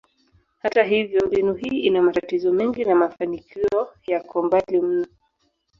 Hata hivyo, mbinu hii ina matatizo mengi na mafanikio yako mbali mno.